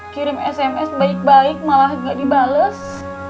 kirim sms baik baik malah nggak dibalas